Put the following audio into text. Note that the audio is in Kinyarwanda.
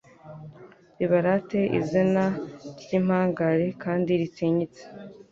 Nibarate izina ryawe ry’impangare kandi ritinyitse